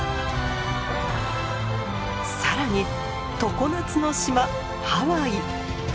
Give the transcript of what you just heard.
更に常夏の島ハワイ。